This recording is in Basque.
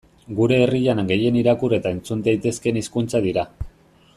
Gure herrian gehien irakur eta entzun daitezkeen hizkuntzak dira.